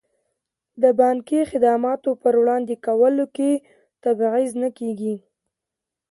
د بانکي خدماتو په وړاندې کولو کې تبعیض نه کیږي.